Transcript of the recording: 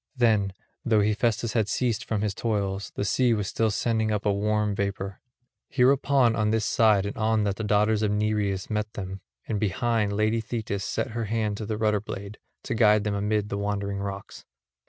Then, though Hephaestus had ceased from his toils, the sea was still sending up a warm vapour. Hereupon on this side and on that the daughters of Nereus met them; and behind, lady Thetis set her hand to the rudder blade, to guide them amid the Wandering rocks.